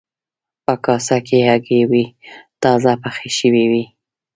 په کاسه کې هګۍ وې تازه پخې شوې وې.